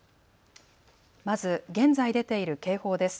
まず現在出ている警報です。